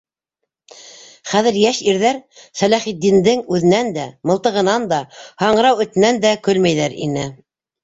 Хәҙер йәш ирҙәр Сәләхетдиндең үҙенән дә, мылтығынан да, һаңғырау этенән дә көлмәйҙәр ине.